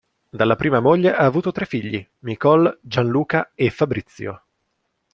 Dalla prima moglie ha avuto tre figli: Micol, Gianluca e Fabrizio.